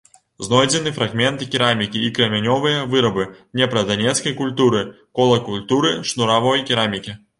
Знойдзены фрагменты керамікі і крамянёвыя вырабы днепра-данецкай культуры, кола культуры шнуравой керамікі.